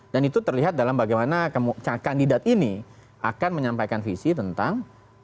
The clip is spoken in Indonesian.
dan itu terlihat dalam bagaimana kandidat ini akan menyampaikan visi tentang